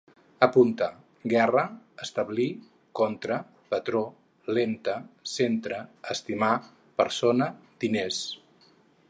Apunta: guerra, establir, contra, patró, lenta, centre, estimar, persona, diners